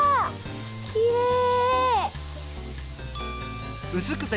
きれい！